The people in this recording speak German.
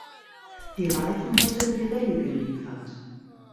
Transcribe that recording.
Die Reifen hätte Pirelli geliefert.